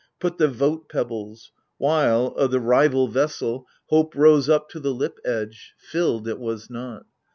Put the vote pebbles, while, o' the rival vessel, AGAMEMNON. 67 Hope rose up to the lip edge : filled it was not.